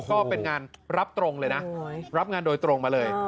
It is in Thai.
ก็เป็นงานรับตรงเลยนะรับงานโดยตรงมาเลย